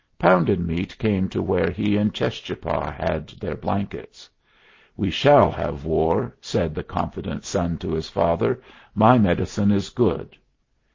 Pounded Meat came to where he and Cheschapah had their blankets. "We shall have war," said the confident son to his father. "My medicine is good."